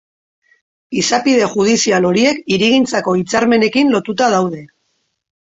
Izapide judizial horiek hirigintzako hitzarmenekin lotuta daude.